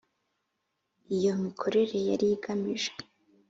iyo mikorere yari igamije